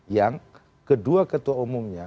yang kedua ketua umumnya